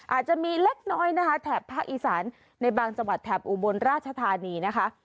อาจจะมีเล็กน้อยนะคะแถบภาคอีสานในบางจังหวัดแถบอุบลราชธานีนะคะ